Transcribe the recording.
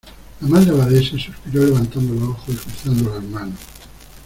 la Madre Abadesa suspiró levantando los ojos y cruzando las manos: